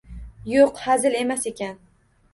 Yo‘q, hazil emas ekan!